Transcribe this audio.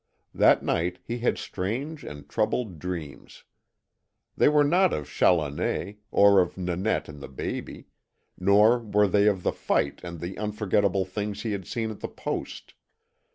That night he had strange and troubled dreams. They were not of Challoner, or of Nanette and the baby, nor were they of the fight and the unforgettable things he had seen at the Post.